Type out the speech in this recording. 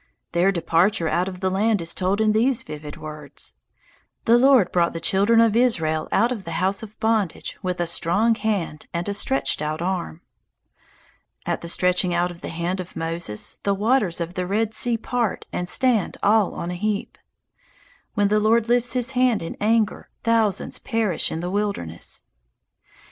Their departure out of the land is told in these vivid words: "The Lord brought the children of Israel out of the house of bondage with a strong hand and a stretched out arm." At the stretching out of the hand of Moses the waters of the Red Sea part and stand all on a heap. When the Lord lifts his hand in anger, thousands perish in the wilderness.